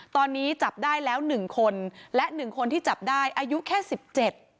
ตอนนี้จับได้แล้วหนึ่งคนและหนึ่งคนที่จับได้อายุแค่สิบเจ็ด